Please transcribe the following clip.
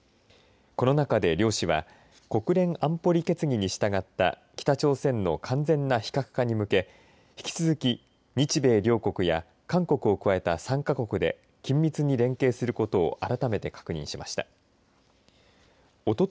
この中で両氏は国連安保理決議に従った北朝鮮の完全な非核化に向けて引き続き日米両国や韓国を加えた３か国で緊密に連携することを改めて確認しました。